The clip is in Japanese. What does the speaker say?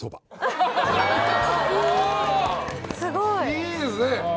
いいですね。